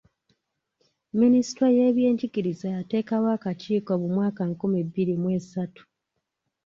Minisitule y’ebyenjigiriza yateekawo akakiiko mu mwaka nkumi bbiri mu esatu.